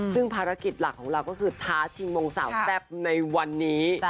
ซึ่งภารกิจหลักของเราก็คือท้าชิงมงสาวแซ่บในวันนี้